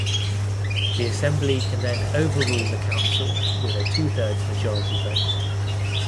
The Assembly can then over-rule the Council with a two-thirds majority vote.